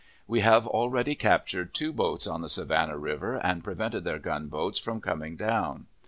We have already captured two boats on the Savannah river and prevented their gunboats from coming down.